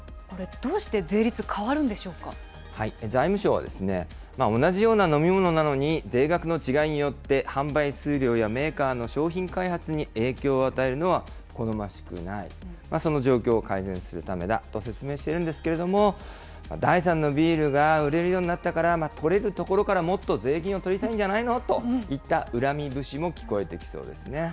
どうして税率、変わる財務省は、同じような飲み物なのに、税額の違いによって販売数量やメーカーの商品開発に影響を与えるのは好ましくない、その状況を改善するためだと説明しているんですけれども、第３のビールが売れるようになったから、取れるところからもっと税金を取りたいんじゃないの？といった恨み節も聞こえてきそうですね。